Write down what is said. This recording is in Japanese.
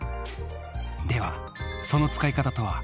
では、その使い方とは。